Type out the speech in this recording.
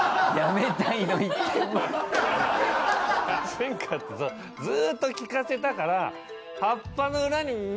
進化ってずーっと聞かせたから。